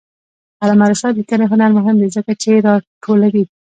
د علامه رشاد لیکنی هنر مهم دی ځکه چې راټولوي.